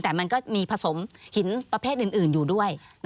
แต่มันก็มีผสมหินประเภทอื่นอยู่ด้วย